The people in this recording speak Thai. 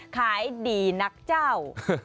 ขายดีนักเจ้า